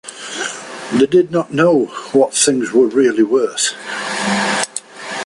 They did not know what things were really worth.